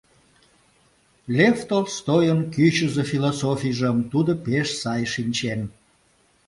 Лев Толстойын кӱчызӧ философийжым тудо пеш сай шинчен.